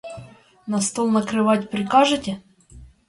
На стол накрывать прикажете?